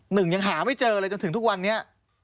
หนึ่งยังหาไม่เจอเลยจนถึงทุกวันนี้